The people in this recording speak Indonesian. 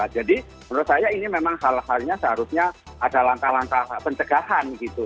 jadi menurut saya ini memang hal halnya seharusnya ada langkah langkah pencegahan gitu